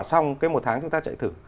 xong cái một tháng chúng ta chạy thử